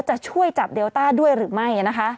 จะช่วยจับเดลต้าด้วยหรือไม่นะคะ